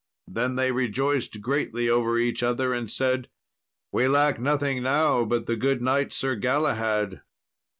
Then they rejoiced greatly over each other, and said, "We lack nothing now but the good knight Sir Galahad."